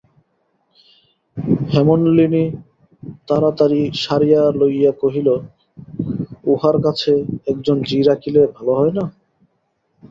হেমনলিনী তাড়াতাড়ি সারিয়া লইয়া কহিল, উঁহার কাছে একজন ঝি রাখিলে ভালো হয় না?